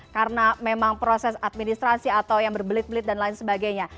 karena memang proses administrasi atau yang berbelit belit dan lain sebagainya